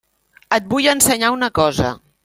Et vull ensenyar una cosa.